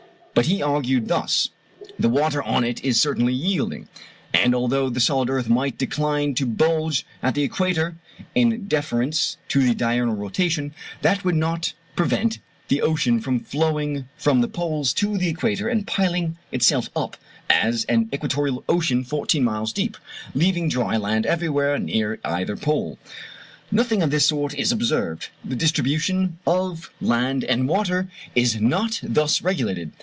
But he argued thus. The water on it is certainly yielding, and although the solid earth might decline to bulge at the equator in deference to the diurnal rotation, that would not prevent the ocean from flowing from the poles to the equator and piling itself up as an equatorial ocean fourteen miles deep, leaving dry land everywhere near either pole. Nothing of this sort is observed: the distribution of land and water is not thus regulated.